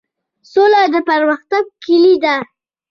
سوله د پرمختګ کیلي ده؟